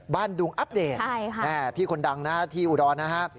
ดุงอัปเดตพี่คนดังนะที่อุดรนะฮะ